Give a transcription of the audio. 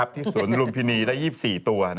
ที่สวนลุมพินีได้๒๔ตัว